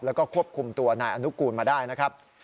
แล้วก็ควบคุมตัวนายอนุกูลมาได้นะครับ